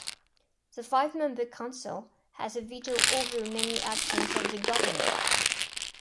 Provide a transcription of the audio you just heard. The five-member council has a veto over many actions of the governor.